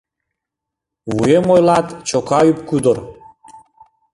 Вуем, ойлат, чока ӱп-кудыр.